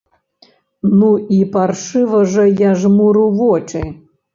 Ну і паршыва жа я жмуру вочы!